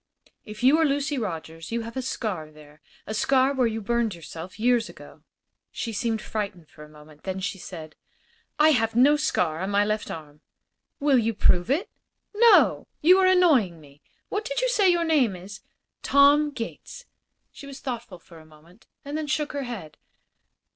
"If you are Lucy Rogers you have a scar there a scar where you burned yourself years ago." She seemed frightened for a moment. Then she said: "I have no scar on my left arm." "Will you prove it?" "No. You are annoying me. What did you say your name is?" "Tom Gates." She was thoughtful for a moment and then shook her head.